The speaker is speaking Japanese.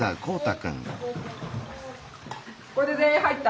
これで全員入った？